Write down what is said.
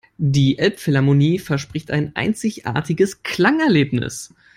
Die Elbphilharmonie verspricht ein einzigartiges Klangerlebnis.